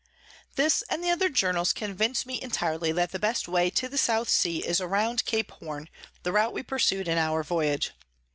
This and the other Journals convince me intirely that the best way to the South Sea is round Cape Horne, the Route we pursu'd in our Voyage.